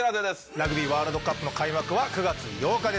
ラグビーワールドカップの開幕は９月８日です。